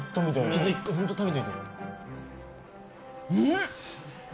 ちょっと一回ホント食べてみて。